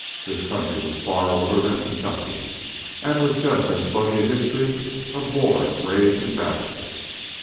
This country was far older than Kentucky, and with just as bloody a history of wars, raids, and battles.